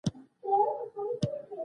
خدای خبر؟ بل کال به ګلونه کوي